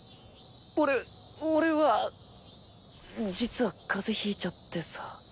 俺俺は実は風邪引いちゃってさ。